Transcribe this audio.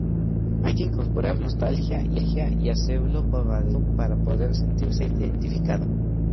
Hay que incorporar nostalgia y hacerlo por adelantado para poder sentirse identificado.